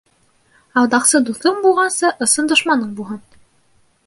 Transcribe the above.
Алдаҡсы дуҫың булғансы, ысын дошманың булһын.